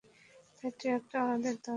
তোমার ট্রাকটা আমাদের দরকার!